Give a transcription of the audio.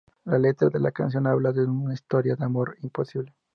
La letra de la canción habla de una historia de amor imposible.